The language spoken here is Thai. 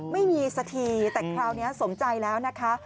ไม่มีสักทีแต่คราวนี้สมใจแล้วนะคะ